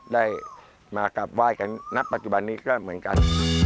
ได้มากราบไหว้กันณปัจจุบันนี้ก็เหมือนกัน